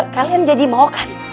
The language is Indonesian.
kalian jadi mau kan